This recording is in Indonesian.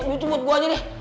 youtube buat gue aja deh